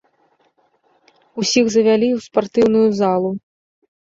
Усіх завялі ў спартыўную залу.